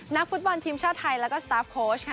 นักฟุตบอลทีมชาวไทยและก็สตาฟโค้ช